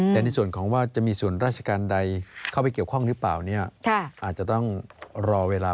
แต่ในส่วนของว่าจะมีส่วนราชการใดเข้าไปเกี่ยวข้องหรือเปล่าเนี่ยอาจจะต้องรอเวลา